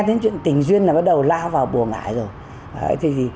những chuyện tình duyên là bắt đầu lao vào buồn